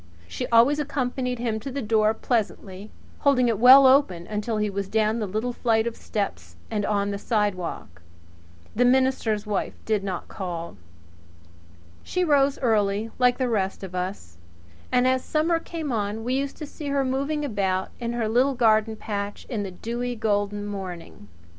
She always accompanied him to the door pleasantly, holding it well open until he was down the little flight of steps and on the sidewalk. The minister's wife did not call but, then, there are limits to the duties of a minister's wife. She rose early, like the rest of us; and as summer came on we used to see her moving about in her little garden patch in the dewy, golden morning.